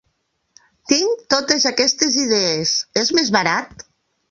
Tinc totes aquestes idees, és més barat?